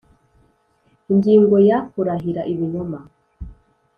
Ingingo ya Kurahira ibinyoma